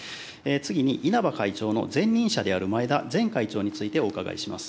次に、稲葉会長の前任者である前田前会長についてお伺いします。